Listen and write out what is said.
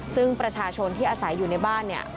ซึ่งประชาชนที่อาศัยอยู่ในบ้านเนี่ย